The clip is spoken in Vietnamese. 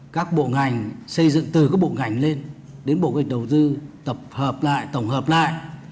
các bộ ngành xây dựng từ các bộ ngành lên đến bộ kế hoạch đầu tư tổng hợp lại